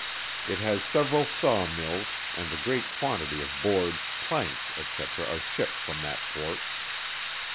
It has several Saw Mills, and a great quantity of boards, planks, &c. are shipped from that port.